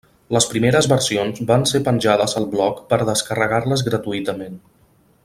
Les primeres versions van ser penjades al blog per descarregar-les gratuïtament.